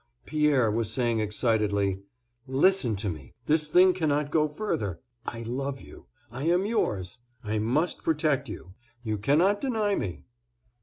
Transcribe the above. Pierre was saying excitedly: "Listen to me. This thing cannot go further. I love you, I am yours. I must protect you. You cannot deny me."